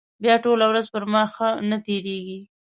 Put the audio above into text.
بیا ټوله ورځ پر ما ښه نه تېرېږي.